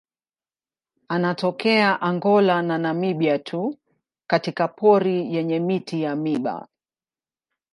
Anatokea Angola na Namibia tu katika pori yenye miti ya miiba.